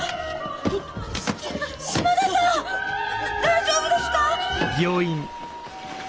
大丈夫ですか！